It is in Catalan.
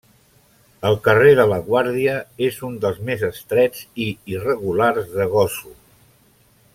El carrer de la Guàrdia és un dels més estrets i irregulars de Gósol.